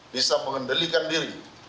bisa mengendalikan diri